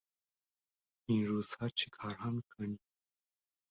این روزها چیکارها میکنی؟